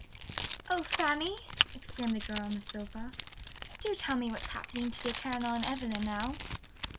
"Oh, Fanny," exclaimed the girl on the sofa, "do tell me what's happening to dear Caroline Evelyn now."